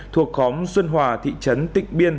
thuộc khóm xuân hòa thị trấn tỉnh biên